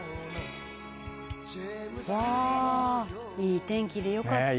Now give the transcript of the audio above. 「いい天気でよかった」